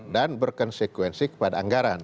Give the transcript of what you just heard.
dan berkonsekuensi kepada anggaran